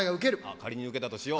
仮にウケたとしよう。